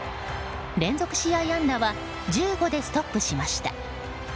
連続試合安打は１５でストップしました。